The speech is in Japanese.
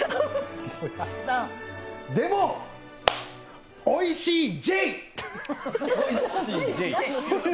でも、おいしいＪ。